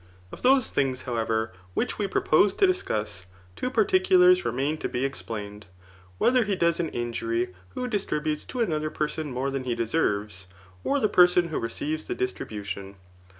Of those things, however, which we proposed to dis cuss, two particulars remain to be explained ; whether he does an iq*ury who distributes to another person more than he cfeserves, or the person who receives the distri bution.